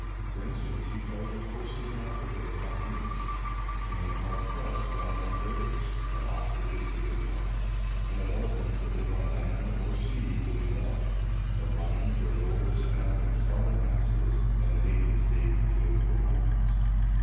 For instance, he tells of horses in Africa that have wings, and when hard pressed, fly like birds; of ostriches that give milk, and of elephants that live on land or sea equally well; of mines where gold is found in solid masses and the natives dig into it for diamonds.